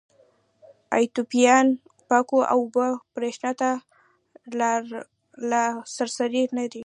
ایتوپیایان پاکو اوبو برېښنا ته لاسرسی نه لري.